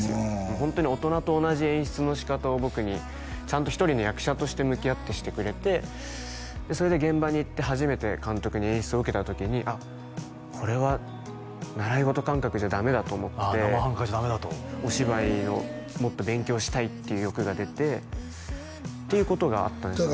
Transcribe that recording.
ホントに大人と同じ演出のしかたを僕にちゃんと一人の役者として向き合ってしてくれてそれで現場に行って初めて監督に演出を受けた時にあっこれは習い事感覚じゃダメだと思ってお芝居をもっと勉強したいっていう欲が出てっていうことがあったんですね